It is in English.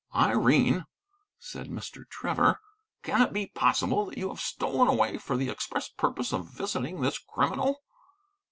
"Irene," said Mr. Trevor, "can it be possible that you have stolen away for the express purpose of visiting this criminal?"